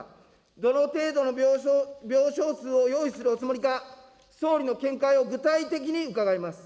どの程度の病床数を用意するおつもりか、総理の見解を具体的に伺います。